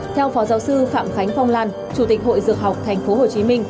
theo phó giáo sư phạm khánh phong lan chủ tịch hội dược học tp hcm